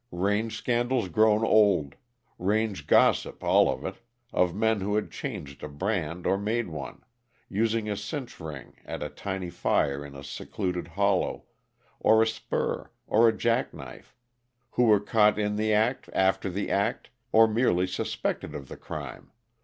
Range scandals grown old; range gossip all of it, of men who had changed a brand or made one, using a cinch ring at a tiny fire in a secluded hollow, or a spur, or a jackknife; who were caught in the act, after the act, or merely suspected of the crime.